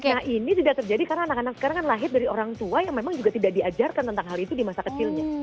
nah ini tidak terjadi karena anak anak sekarang kan lahir dari orang tua yang memang juga tidak diajarkan tentang hal itu di masa kecilnya